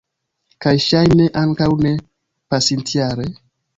Kaj ŝajne ankaŭ ne pasintjare?